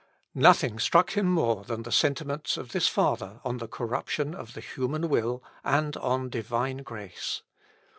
Nothing struck him more than the sentiments of this Father on the corruption of the human will, and on Divine grace.